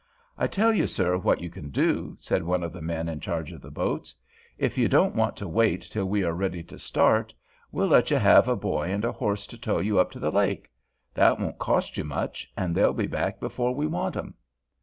"I tell you, sir, what you can do," said one of the men in charge of the boats; "if you don't want to wait till we are ready to start, we'll let you have a boy and a horse to tow you up to the lake. That won't cost you much, and they'll be back before we want 'em."